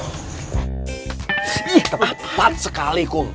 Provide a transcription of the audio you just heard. kempat sekali kum